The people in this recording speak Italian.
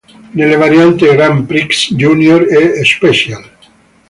Nelle varianti "Grand Prix", "Junior" e "Special".